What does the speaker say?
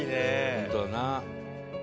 本当だな。